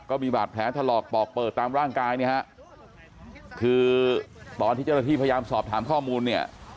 ก็มีบาดแผลถลอกปอกเปิดตามร่างกายเนี่ยฮะคือตอนที่เจ้าหน้าที่พยายามสอบถามข้อมูลเนี่ย